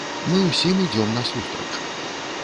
Мы ўсім ідзём насустрач.